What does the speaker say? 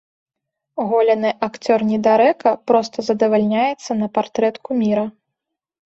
Голены акцёр-недарэка проста задавальняецца на партрэт куміра.